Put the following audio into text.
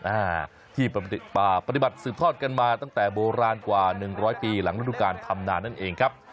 อ่าที่ประปฏิบัติปลาปฏิบัติสืบทอดกันมาตั้งแต่โบราณกว่า๑๐๐ปีหลังรุ่นการทำนานนั่นเองครับ